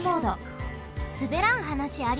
すべらん話ありますか？